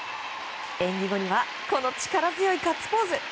演技後にはこの力強いガッツポーズ。